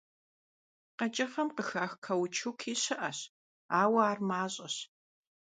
Kheç'ığem khıxax kauçuki şı'eş, aue ar maş'eş.